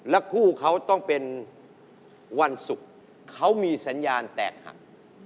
คู่เขาต้องเป็นวันศุกร์เขามีสัญญาณแตกหัก